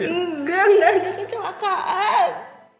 enggak gak ada kecelakaan